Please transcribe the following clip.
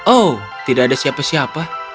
oh tidak ada siapa siapa